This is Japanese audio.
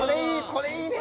これいいね。